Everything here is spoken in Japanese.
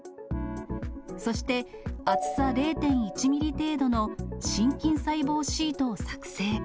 そして、厚さ０．１ミリ程度の心筋細胞シートを作製。